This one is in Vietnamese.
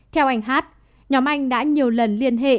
theo anh h nhóm anh đã nhiều lần liên hệ với hội đồng nhân dân tp hcm